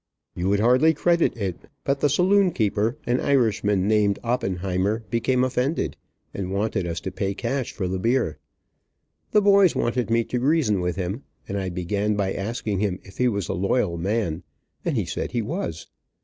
You would hardly credit it, but the saloonkeeper, an Irishman named Oppenheimer, became offended, and wanted us to pay cash for the beer. The boys wanted me to reason with him, and I began by asking him if he was a loyal man, and he said he was.